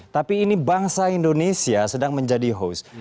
tapi ini bangsa indonesia sedang menjadi host